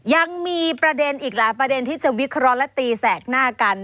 ยังมีประเด็นอีกหลายประเด็นที่จะวิเคราะห์และตีแสกหน้ากัน